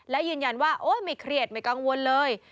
และยืนยันว่าโอ๊ยไม่เครียดไม่กังวลเลย